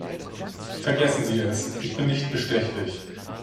Vergessen Sie es, ich bin nicht bestechlich.